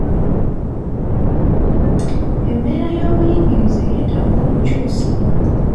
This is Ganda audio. Embeera y’obunyigiriza eyeetaaga okukyusibwa